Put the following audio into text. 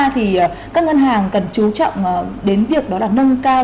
thì các ngân hàng cần chú trọng đến việc đó là nâng cao